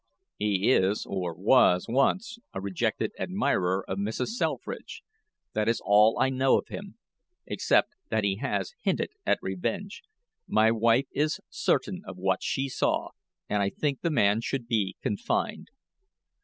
"He is or was once a rejected admirer of Mrs. Selfridge. That is all I know of him except that he has hinted at revenge. My wife is certain of what she saw, and I think the man should be confined."